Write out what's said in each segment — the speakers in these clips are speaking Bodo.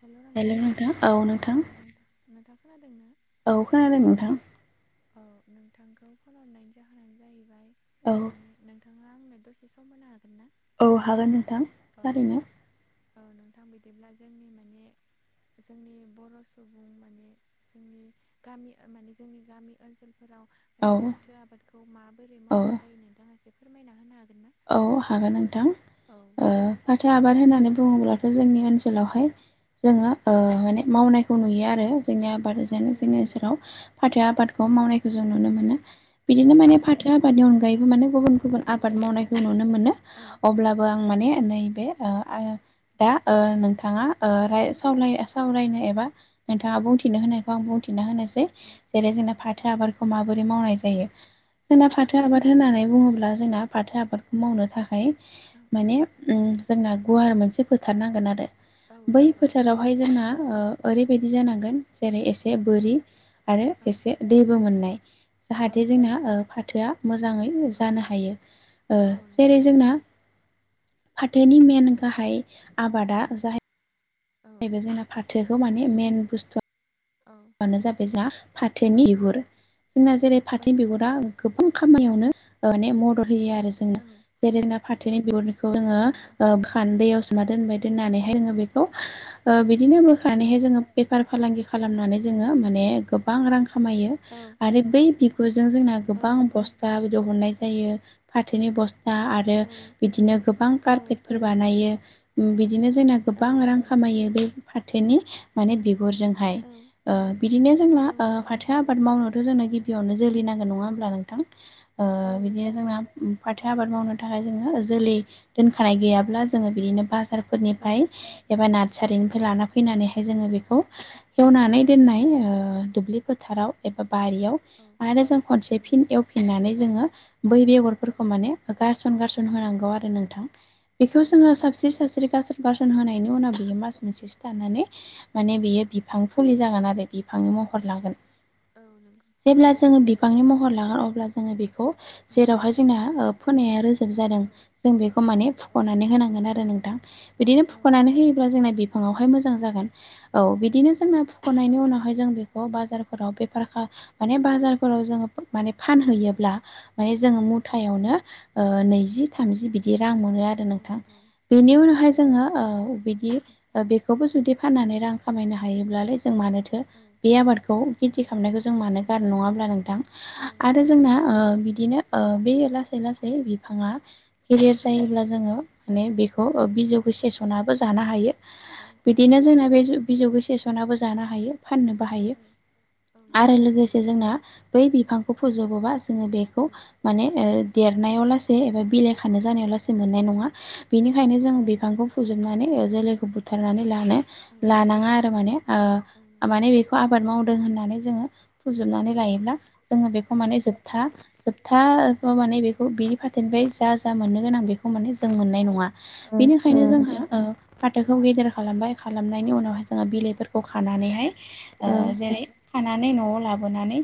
हेल' नोंथां औ नोंथां नोंथां खोनादोंना? औ खोनादों नोंथां। औ नोंथांखौ फननायनि जाहोनानो जाहैबाय औ माने। नोंथाङा आंनो दसे सम होनो हागोन ना? औ हागोन नोंथां औ थारैनो। औ नोंथां बिदिब्ला जोंनि माने जोंनि बर' सुबुं माने जोंनि गामि माने जोंनि गामि ओनसोलफोरा औ माने फाथो आबादखौ माबोरै औ मावनाय जायो नोंथाङासो फोरमायना होनो हागोन ना? औ हागोन नोंथां? औ। ओ फाथो आबाद होननानै बुङोब्लाथ' जोंनि ओनसोलावहाय जोङो माने औ मावनाय। खौ नुयो आरो जोंनि आबाद जेन औ जोंनि नंगौ ओनसोराव फाथो आबादखौ औ मावनायखौ जों नुनो मोनो। औ बिदिनो माने फाथो आबादनि अनगायैबो माने गुबुन गुबुन आबाद मावनाय नुनो मोनो अब्लाबो औ आं नंगौ माने नैबे दा नोंथाङा औ साव सावरायनो एबा औ नोंथाङा बुंथिनो होनायखौ आं बुंथिना औ होनोसै जेरै औ जोंना नंगौ फाथो आबाद माबोरै मावनाय जायो जोंना फाथो औ आबाद नंगौ होननानै बुङोब्ला जोंना फाथो आबादखौ। मावनो थाखाय औ माने औ जोंना गुवार मोनसे फोथार नांगोन आरो। औ बै नंगौ फोथारावहाय जोंना ओरैबायदि जानांगोन जेरै एसे औ बोरि आरो एसे दैबो मोननाय औ औ जाहाथे जोंना फाथोआ मोजाङै औ जानो हायो। ओ औ जेरै नंगौ जोंना फाथोनि मेन औ गाहाय औ आबादा बे औ जाहैबाय जोंना फाथोखौ माने मेन बुस्थुआ औ आनो जाबाय जोंहा औ फाथोनि बिगुर जोंना जेरै औ फाथोनि बिगुरा गोबां खामानियावनो माने मदद होयो आरो जों औ। जेरै जोंना फाथोनि बिगुरखौ नंगौ जोङोओान दैयावसोना दोनबाय दोननानैहाय औ जोङो बेखौ‌ बिदिनो औ नंगौ बोनानैहाय जोङो बेफार-फालांगि खालामनानै जो माने गोबां रां खामायो औ आरो बै बिगुरजों जोंना औ गोबां नंगौ बस्थु हनाय जायो फाथोनि बस्थ आरो औ बिदिनो गोबां कारेट फोर बानायो बिदिनो जोंना औ गोबां रां नंगौ औ नंगौ औ नंगौ खामायो फाथोनि माने बिगुरजोंहाय औ ओ बिदिनो जोंना औ ओ नंगौ फाथो आबाद मावनोथ' जोंनो गिबियावनो जोलै नांगौ नङा होमब्ला नोंथां ओ औ बिदिनो नंगौ जोंना फाथो आबाद मावनो थाखाय जोङो जोलै दोनखानाय गैयाब्ला जोङो बिदिनो बाजार औ फोरनिफ्राय एबा नार्सारिनिफ्राय लाना औ फैनानैहाय जोङो बेखौ एवनानै दोननाय औ ओ दुब्लि फोथाराव एबा बारियाव आरो जों खनसे फिन एवफिननानै जोङो बै बेगरफोरखौ माने गारसन गारसन होनांगौ आरो नोंथां औ बेखौ जोङो नंगौ साबस्रि साबस्रि गाजा बारसन होनायनि उनाव बियो मास मोनसे सिथारनानै माने बियो बिफां औ फुलि जा औ बिफांनि महर लागोन जेब्ला नंगौ जोङो बिफांनि महर लागोन अब्ला जोङो बे खौ जेरावहाय जोंना ओ फोनाय जोब जादों औ जों बेखौ माने औ फुख'नानै होनांगोन आरो नोंथां बिदिनो औ फुख'नानै होयोब्ला जोंना बि फाङावहाय मोजां जागोन औ बिदिनो जोंना फुख'नायनि नंगौ उनावहाय जों बे खौ बाजारफोराव बेफार माने बाजारफोराव जोङो माने फानहैयोब्ला माने जोङो मुथायावनो ओ नैजि थामजि बिदि रां मोनो आरो नोंथां बेनि उनावहाय जोङो ओ बिदि दा बेखौबो जुदि फाननानै रां खामायनो हायोब्लालाय जों मानोथो बे आबादखौ खेथि औ खालामनायखौ जों मानो गारनो नङा होमब्ला नोंथां औ आरो नंगौ जोंना नंगौ ओ बिदिनो बे लासै लासै बिफाङा गिदिर जायोब्ला जोङो औ माने बेखौ बिजौखौ सेसनाबो जानो हायो औ औ बिदिनो नंगौ जोंना बे बिजौखौ सेसनाबो जानो हायो फाननो बाहायो औ औ नंगौ आरो लोगोसे जोंना बै बिफांखौ फोजोबोबा जोङो औ बेखौ माने देरनायाव लासै एबा बिलाइ खानो जानायाव लासै मोननाय नङा औ बिनिखायनो जोङो बिफांखौ फोजोबनानै जोलैखौ बुथारनानै लानो औ लानाङा आरो माने ओ नंगौ माने बेखौ आबाद मावदों होननानै जोङो फोजोबनानै लायोब्ला जोङो औ बेखौ औ माने जोबथा जोबथा माने बेखौ बेनि फा थोनिफ्राय जा जा मोननो गोनां बेखौ माने जों मोननाय नङा बेनिखायनो जोंहा ओ फाथोखौ गेदेर खालामबाय खालामनायनि उनावहाय जोङो बिलाइफोरखौ खानानैहाय औ ओ नंगौ औ जेरै खानानै न'आव लाबोनानै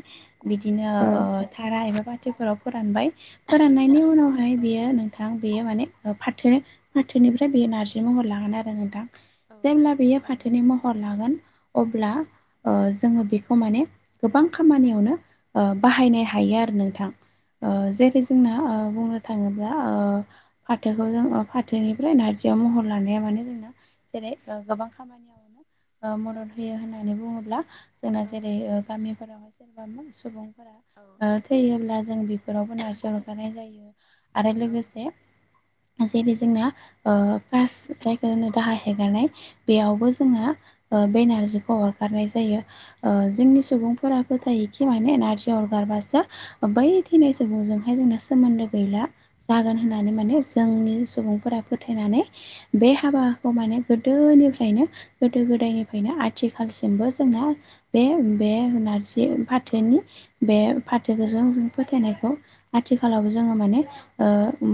बिदिनो ओ थारा एबा पारटिफोराव फोरानबाय फोराननायनि उनावहाय औ बियो नोंथां बेयो माने फाथो फाथोनिफ्राय बेयो नारजि महर लागोन आरो नोंथां औ औ नंगौ औ नंगौ औ नंगौ औ नंगौ औ नंगौ औ नंगौ औ जेब्ला बेयो फाथोनि महर लागोन अब्ला ओ जोङो बेखौ माने गोबां खामानियावनो ओ बाहायनो हायो आरो नोंथां ओ औ जेरै जोंना ओ बुंनो थाङोब्ला ओ फाथोखौ जों फाथोनिफ्राय नारजियाव महर लानाया मानोे जोंना जेरै गोबां खामानियाव ओ मदद होयो होननानै बुङोब्ला जोंना जेरै गामिफोरावहाय सोरबा सुबुंफोरा औ थैयोब्ला जों बेफोरावबो नारजि हरगारनाय जायो आरो लोगोसे जेरै जोंना ओ कास जायखौ जोंनो दाहा हेगारनाय बेयावबो जोंना ओ बे नारजिखौ हरगारनाय जायो ओ जोंनि सुबुं फोराबो जायोखि माने नारजि अर गारबासो बै थैनाय सुबुंजोंहाय जोंना सोमोन्दो गैला जागोन होननानै माने जोंनि सुबुंफोरा फोथायनानै बे हाबाखौ माने गोदोनिफ्रायनो गोदो गो दायनिफ्रायनो आथिखालसिमबो जोंना बे बे नारजि फाथोनि बे फाथोखौजों जों फोथायनायखौ आथिखालावबो जोङो माने ओ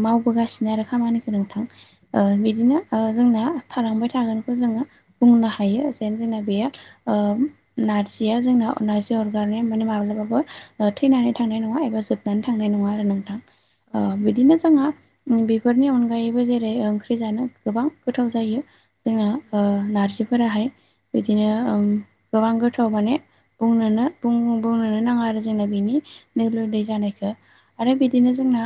मावबोगासिनो आरो खामानिखौ नोंथां बिदिनो जोंना थालांबाय थागोनखौ जोङो बुंनो हायो। जों बे नारजिया ज रारनाय माने माब्लाबाबो थैनानै थांनाय नङा एबा जोब नानै थांनाय नङा आरो नोंथां बिदिनो जोंहा बेफोरनि अनगायैबो जेरै ओंख्रि जानो गोबां गोथाव जायो। जोङो नारजिफोराहाय बिदिनो गोबां गोथाव माने नोनो बुंनोनो नाङा आरो जोंना बिनि नो लुदै जानायखौ आरो बिदिनो जोंना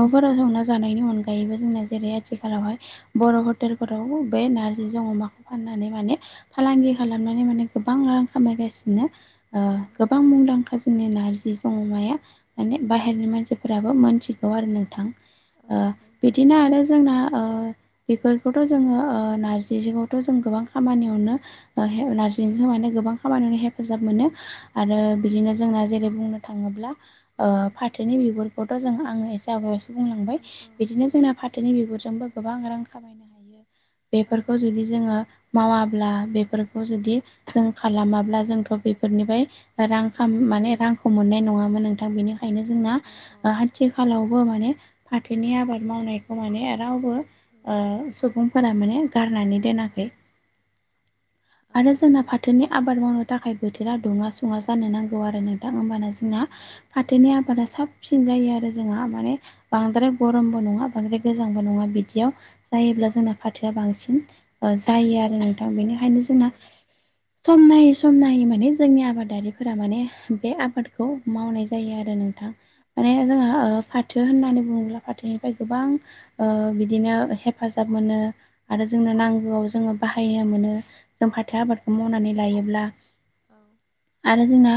न'फोराव संना जानायनि अनगायैबो जोंना जेरै आथिखालावहाय बर' हटेलफोराव बे नार फ फनानै म गोबां रां खनो औ। गोबां मुंदांखा जोंनि नारजि ज अमाया माने बाहेरनि मानसि फोराबो मोनथिगौ आरो नोंथां। बिदिनो आरो जोंना बेफोरखौथ' जोङो नारजि गोबां खामानियावनो हेफाजाब मोनो आरो बिदिनो जोंना जेरै बुंनो थाङोब्ला फाथोनि बिगुरखौथ' जों आङो एसे आवगायायावसो बुंलांबाय औ बिदिनो जोंना फाथो बिनि बिगुरजोंबो गोबां रां खामायनो हायो औ औ बेफोरखौ जुदि जोङो मावाब्ला बेफोरखौ जुदि जों खालामाब्ला औ जोंथ' बेफोरनिफ्राय रां माने रांखौ मोननाय नङामोन नोंथां बेनि बेओंखायनो जोंना औ औ आथिखालावबो माने फाथोनि आबाद मावनायखौ माने रावबो सुबुंफोरा माने गारनानै औ आरो नंगौ जोंना फाथोनि आबाद मावनो थाखाय बोथोरा दङ। औ सुङा जानो नांगौ आरो न दां होमबाना औ जोंना नंगौ फाथोनि औ आबादा साब फिनजायो आरो जोंहा माने औ बांद्राय गरमबो नङा बांद्राय गोजांबो नङा बिदियाव जायोब्ला जोंना फाथोआ बांसिन जायो आरो नोंथां बेनिखायनो नंगौ औ नंगौ औ जोंना नंगौ औ सम नायै सम नायै माने जोंनि आबादारिफोरा माने बे आबादखौ मावनाय जायो आरो नोंथां माने जों फाथो होननानै बुङोब्ला फाथोनिफ्राय गोबां बिदिनो हेफाजाब मोनो। आरो जोंनो नांगौआव जोङो बाहायनो मोनो जों फाथो आबादखौ मावनानै लायोब्ला औ। आरो जोंना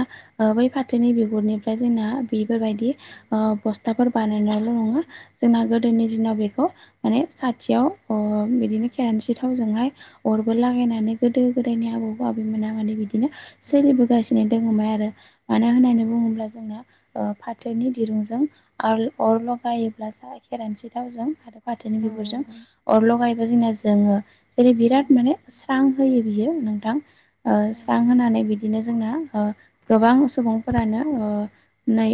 बै फाथोनि बिगुरनिफ्राय जोंना बेफोरबायदि औ प्रस्थाबफोर बानायनायल' नङा औ जोंना गोदोनि दिनाव बेखौ माने साथियाव औ बिदिनो खेरानसि थावजोंहाय अरबो जागोन लागायनानै गोदो गोदायनि आबौ आबैमोना माने बिदिनो सोलिबोगासिनो दङोममोन आरो मानो होननानै बुङोब्ला जोंना फाथोनि दिरुंजों अरल' गायोब्ला स खेरानसे थावजों आरो फ फाथोनि बिबुरजों अरल' गायोब्ला जोंना जोङो जेरै बिराद माने स्रां होयो बियो नोंथां स्रां होनानै बिदिनो जोंना गोबां सुबुंफोरानो नै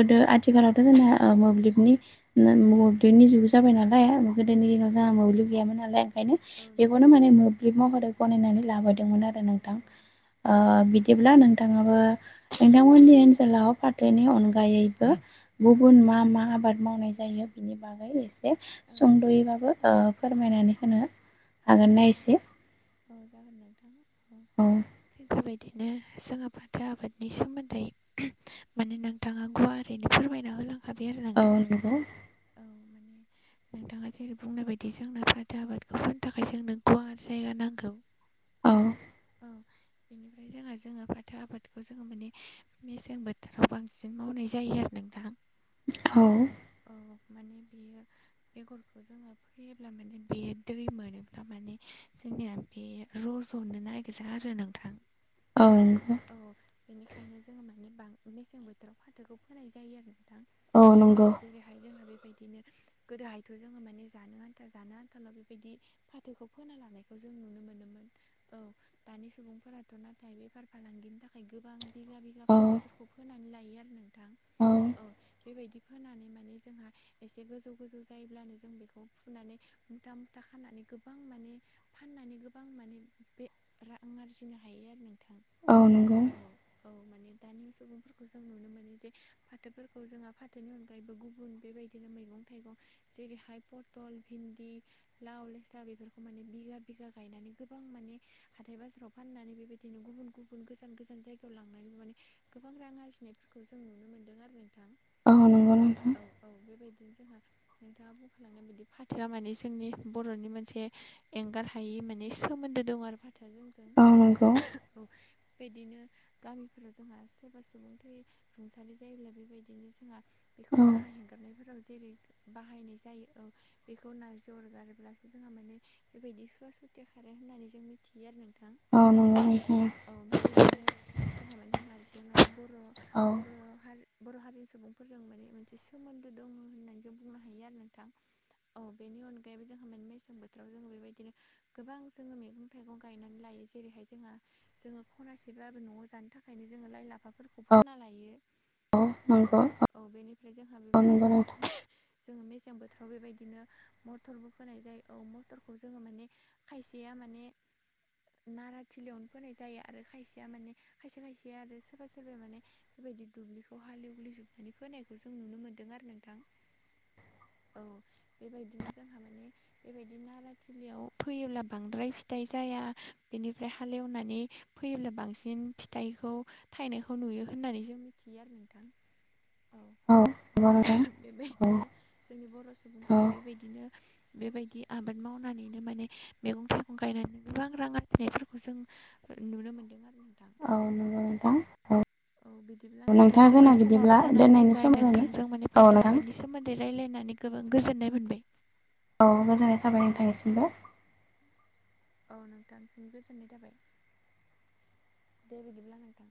गोदो आथिखालावथ' जोंना मोब्लिबनि मदनि जुग जाबाय नालाय गोदोनि दिनाव जोंहा मोब्लिब गैयोन नालाय ओंखायनो बेखौनो माने फ महरै गनायनानै लाबोदोंमोन आरो नोंथां बिदिब्ला नोंथाङाबो नोंथांमोननि ओनसोलाव फाथोनि अनगायैबो गुबुन मा मा आबाद मावनाय जायो बिनि बागै एसे सुंद'यैबाबो फोरमायनानै होनो हागोनना एसे औ जागोन नोंथां औ थिग बेबायदि बिदिनो जोङो बाथो आबादनि सोमोन्दै माने नोंथाङा गुवारारैनो फोरमायना होलांखाय आरो औ नोंथां। नंगौ औ माने नोंथाङा जेरै बुंनाय बायदि जोंनो फाथो आबादखौ फोनो थाखाय जोंनो गुवार जायगा नांगौ। औ औ बेनिफ्राय जोंहा जोङो फाथो आबादखौ जोङो माने मेसें बोथोराव बांसिन मावनाय जायो आरो नोंथां औ औ माने बेयो बेगरखौ जों अ [unintelligible] फैयोब्ला माने बे दै मोनोब्ला माने जोंनिया बे र'ज'नो नागिर गोजा आरो नोंथां औ नंगौ औ बेनिखायनो जोङो माने बांसिन मेसें बोथोराव फाथोखौ फोनाय जायो आरो दा औ जेरैहाय जोंङो बेबायदिनो गोदोहायथ' जोङो माने जानो आन्था जानो आन्थाल' बेबायदि फाथोखौ फोना लानायखौ जों नुनो मोनोमोन। औ दानि सुबुंफोराथ' नाथाय बेफार फालांगिनि थाखाय गोबां बिगा बिगा औ फाथोफोरखौ फोना नानै लायो आरो नोंथां औ बेबायदि फोनानै माने जोंहा एसे गोजौ गोजौ जायोब्लानो जों बेखौ फुनानै मुथा मुथा खालामनानै गोबां माने फाननानै गोबां माने बे रां आरजिनो हायो आरो नोंथां औ नंगौ औ औ माने दानि सुबुंफोरखौ जों नुनो मोनो जे फाथोफोरखौ जोंहा फाथोनि अनगायैबो गुबुन बेबायदिनो मैगं थाइगं जेरैहाय पटल भिन्दि लाव लेस्रा बेफोरखौ माने बिगा बिगा गायनानै गोबां माने हाथाय बाजाराव फाननानै बेबायदिनो गुबुन गुबुन गोजान गोजान जायगायाव लांनानै माने गोबां रां आरजिनायफोरखौ जों नुनो मोनदों आरो नोंथां। औ नंगौ नोंथां औ औ बेबायदिनो जोंहा नोंथाङा बुंखालादों। बिदि फाथोआ माने जोंनि बर'नि मोनसे एंगार हायि माने सोमोन्दो दं आरो फाथोआ औ जोंजों बेबायदिनो गामिफोराव जोंहा सोरबा सुबुं रुंसारि जायोब्ला बेबायदिनो जोंहा बेखौ औ दाहा हेगारनाय जेरै बाहायनाय जायो औ बेखौ नारजि अगारब्लासो जोंहा माने बेबायदि सुवा सुथे खारो होननानै जों मिथियो आरो नोंथां औ नंगौ औ बेबायदिनो जोंहा माने नारजि माने बर' औ बर' हार बर' हारिनि सुबुंफोरजों माने मोनसे सोमोन्दो दङ होननानै जों बुंनो हायो आरो नोंथां। औ बेनि अनगायैबो जोंहा माने मेसें बोथोराव जोङो बेबायदिनो गोबां जोङो मैगं थाइगं गायनानै लायो जेरैहाय जोङो जोङो खनासेब्लाबो न'आव जानो थाखायनो जोङो लाइ लाफाफोरखौ औ फोना लायो। औ औ बेनिफ्राय जोंहा औ नंगौ नोंथां बेबायदिनो जोङो मेसें बोथोराव बेबायदिनो मटरबो फोनाय जायो औ मटरखौ जोङो माने खायसेया माने नाराथिलियावनो फोनाय जायो आरो खायसेया माने खायसे खायसेया आरो सोरबा सोरबा माने बेबायायदि दुब्लिखौ हालेवलि जोबनानै फोनायखौ जों नुनो मोन्दों आरो नोंथां। औ बेबायदिनो जोंहा माने बेबायदि नाराथिलियाव फैयोब्ला बांद्राय फि फिथाइ जाया बेनिफ्राय हालेवनानै फैयोब्ला बांसिन फिथाइखौ थायनायखौ नुयो होननानै जों मिथियो आरो नोंथां। औ औ नंगौ नोंथां औ बेबायदिनो जोंनि बर' औ सुबुंफोरा बेबायदिनो बेबायदि आबाद मावनानैनो माने मैगं थाइगं गायनानै गोबां रां आरजिनायफोरखौ जों नुनो मोनदों आरो। नोंथां औ नंगौ नोंथां औ औ बिदिब्ला नोंथां नोंथाङा जोंना समाबो बिदिब्ला जानानै दोननायनि फैबाय सम जाबायमोन नोंथांजों माने औ फाथो नोंथां आबादनि सोमोन्दै रायलायनानै गोबां गोजोननाय मोनबाय औ गोजोननाय थाबाय औ नोंथांनिसिमबो औ नोंथां गोजोननाय थाबाय दे बिदिब्ला नोंथां